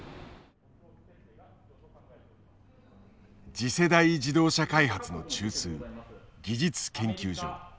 次世代自動車開発の中枢技術研究所。